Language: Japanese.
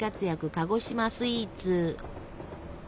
鹿児島スイーツ！